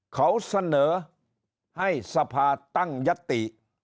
เขาเสนอให้สภาตั้งยติ